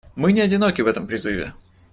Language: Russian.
Мы не одиноки в этом призыве.